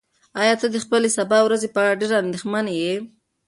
ایا ته د خپلې سبا ورځې په اړه ډېر اندېښمن یې؟